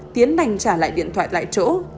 tiến đành trả lại điện thoại lại chỗ